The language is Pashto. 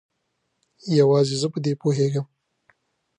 یوازې زه په دې پوهیږم